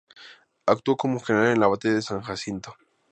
Actuó como general en la batalla de San Jacinto.